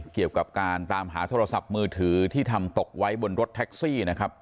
เกี่ยวกับการตามหาโทรศัพท์มือถือที่ทำตกไว้บนรถแท็กซี่นะครับ